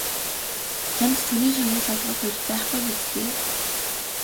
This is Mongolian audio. Танд Төрийн шагнал олгох эрх байхгүй биз дээ?